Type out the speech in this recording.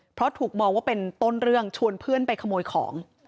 เพราะถูกมองว่าเป็นต้นเรื่องชวนเพื่อนไปขโมยของ